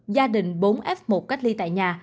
gia đình bốn f một cách ly tại nhà